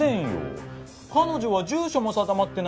彼女は住所も定まってないんですよ。